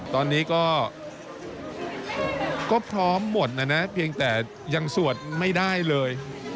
ตอนนี้ก็พร้อมหมดนะนะเพียงแต่ยังสวดไม่ได้เลย